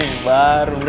ini baru brother kita